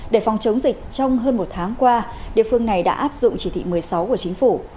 để phòng chống dịch trong hơn một tháng qua địa phương này đã áp dụng chỉ thị một mươi sáu của chính phủ